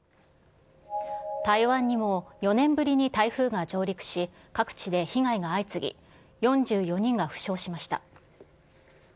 台湾にも４年ぶりに台風が上陸し、各地で被害が相次ぎ、４４人が負傷しました。